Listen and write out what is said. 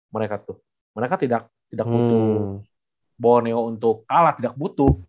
mereka tuh mereka tidak butuh boneo untuk alat tidak butuh